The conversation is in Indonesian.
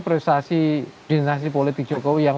prestasi dinasti politik jokowi yang